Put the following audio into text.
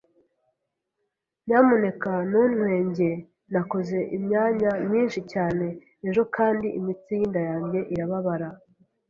Nyamuneka ntuntwenge. Nakoze imyanya myinshi cyane ejo kandi imitsi yinda yanjye irababara.